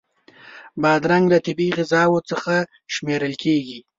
بادرنګ له طبعی غذاوو څخه شمېرل کېږي.